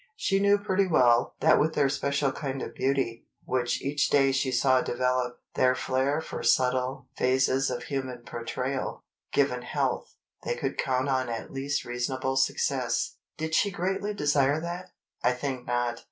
She knew pretty well that with their special kind of beauty, which each day she saw develop—their flair for subtle phases of human portrayal—given health, they could count on at least reasonable success. Did she greatly desire that? I think not.